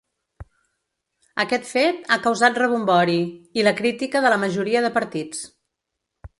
Aquest fet ha causat rebombori, i la crítica de la majoria de partits.